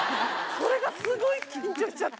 それがすっごい緊張しちゃって。